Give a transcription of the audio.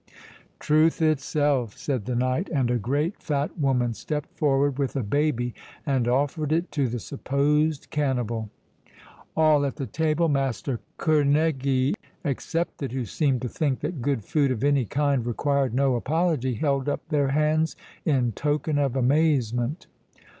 '" "Truth itself!" said the knight; "and a great fat woman stepped forward with a baby, and offered it to the supposed cannibal." All at the table, Master Kerneguy excepted, who seemed to think that good food of any kind required no apology, held up their hands in token of amazement.